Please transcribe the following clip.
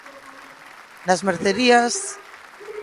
Nas mercerías...